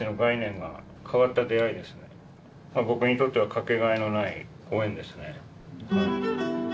僕にとっては掛け替えのないご縁ですね。